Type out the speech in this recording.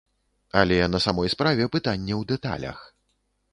Але, на самой справе, пытанне ў дэталях.